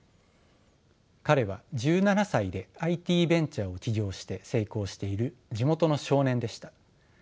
彼は１７歳でＩＴベンチャーを起業して成功している地元の少年でした。